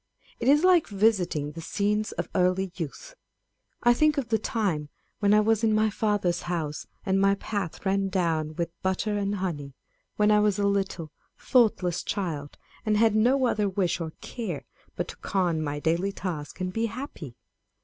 It is like visiting the scenes of early youth. I think of the time " when I was in my father's house, and my path ran down with butter and honey," â€" when I was a little, thoughtless child, and had no other wish or care but to con my daily task, and be happy